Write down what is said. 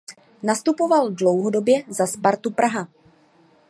Nastupoval dlouhodobě za Spartu Praha.